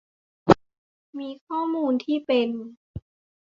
มีข้อมูลที่เป็น